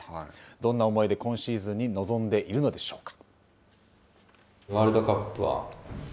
どんな思いで今シーズンに臨んでいるのでしょうか。